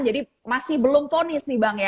jadi masih belum fonis nih bang